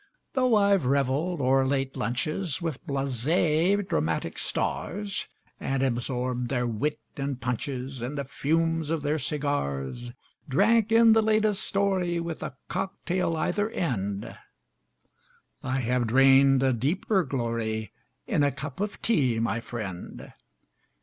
Though I've reveled o'er late lunches With blasé dramatic stars, And absorbed their wit and punches And the fumes of their cigars Drank in the latest story, With a cock tail either end, I have drained a deeper glory In a cup of tea, my friend.